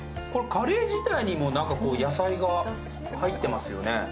これ、カレー自体にも野菜が入ってますよね？